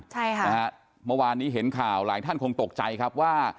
ใช่ค่ะนะฮะเมื่อวานนี้เห็นข่าวหลายท่านคงตกใจครับว่า